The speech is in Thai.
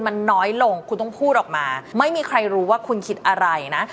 มันน้อยลงคุณต้องพูดออกมาไม่มีใครรู้ว่าคุณคิดอะไรนะ